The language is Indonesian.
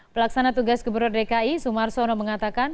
pelaksana tugas keberadaan dki sumar sono mengatakan